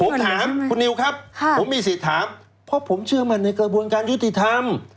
ผมถามคุณนิวครับผมมีสิทธิ์ถามเพราะผมเชื่อมั่นในกระบวนการยุติธรรม